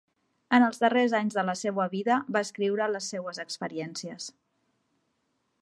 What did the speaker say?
En els darrers anys de la seua vida va escriure les seues experiències.